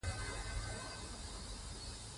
سلیمان غر د افغانستان د صنعت لپاره مواد برابروي.